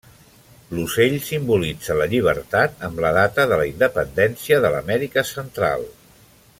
L'ocell simbolitza la llibertat amb la data de la independència de l'Amèrica Central.